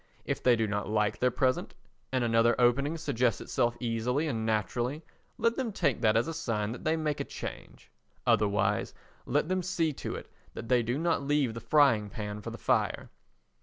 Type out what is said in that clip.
If they do not like their present and another opening suggests itself easily and naturally, let them take that as a sign that they make a change; otherwise, let them see to it that they do not leave the frying pan for the fire.